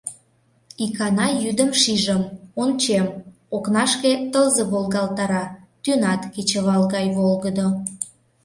Икана йӱдым шижым, ончем: окнашке тылзе волгалтара, тӱнат кечывал гай волгыдо.